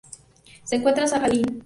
Se encuentra en Sajalín.